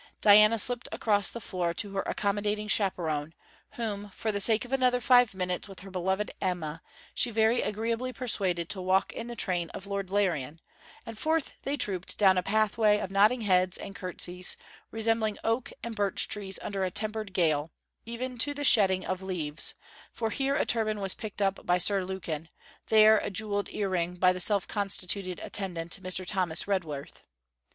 Diana slipped across the floor to her accommodating chaperon, whom, for the sake of another five minutes with her beloved Emma, she very agreeably persuaded to walk in the train of Lord Larrian, and forth they trooped down a pathway of nodding heads and curtsies, resembling oak and birch trees under a tempered gale, even to the shedding of leaves, for here a turban was picked up by Sir Lukin, there a jewelled ear ring by the self constituted attendant, Mr. Thomas Redworth.